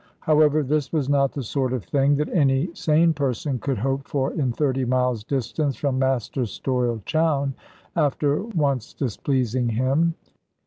However, this was not the sort of thing that any sane person could hope for in thirty miles' distance from Master Stoyle Chowne, after once displeasing him.